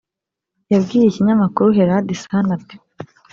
yabwiye ikinyamakuru herald sun ati